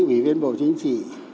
ủy viên bộ chính trị